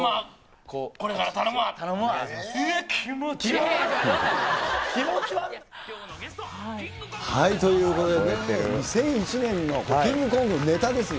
頼むわ。ということでね、２００１年のキングコングのネタですよ。